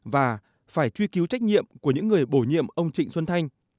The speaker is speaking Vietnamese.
và phải truy cứu trách nhiệm của những người bổ nhiệm ông trịnh xuân thanh